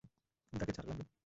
তাকে ছাড়, লাড্ডু!